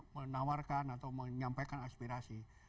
menawarkan atau menyampaikan aspirasi